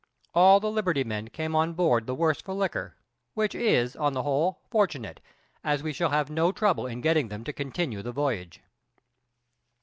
All the liberty men came on board the worse for liquor, which is, on the whole, fortunate, as we shall have no trouble in getting them to continue the voyage.